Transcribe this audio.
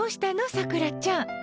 さくらちゃん。